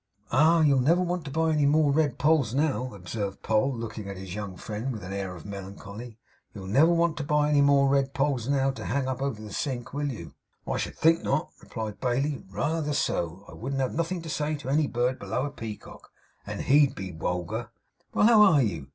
'Ah! you'll never want to buy any more red polls, now,' observed Poll, looking on his young friend with an air of melancholy. 'You'll never want to buy any more red polls now, to hang up over the sink, will you?' 'I should think not,' replied Bailey. 'Reether so. I wouldn't have nothin' to say to any bird below a Peacock; and HE'd be wulgar. Well, how are you?